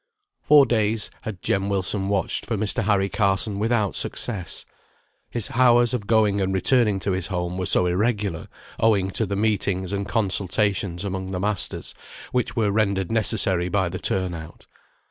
Four days had Jem Wilson watched for Mr. Harry Carson without success; his hours of going and returning to his home were so irregular, owing to the meetings and consultations among the masters, which were rendered necessary by the turn out.